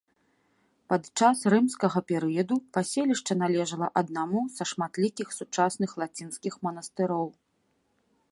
Падчас рымскага перыяду паселішча належала аднаму са шматлікіх сучасных лацінскіх манастыроў.